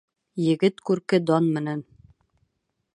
Егет күрке дан менән